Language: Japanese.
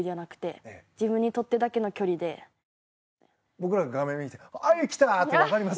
僕ら、画面見ていてはい、来た！って分かります？